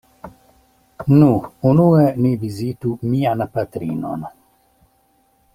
Nu, unue ni vizitu mian patrinon.